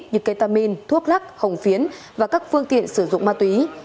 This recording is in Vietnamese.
như ketamin thuốc lắc hồng phiến và các phương tiện sử dụng ma túy